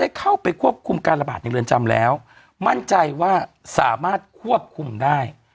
เข้าไปควบคุมการระบาดในเรือนจำแล้วมั่นใจว่าสามารถควบคุมได้